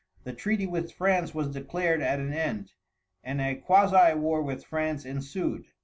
The treaty with France was declared at an end, and a quasi war with France ensued.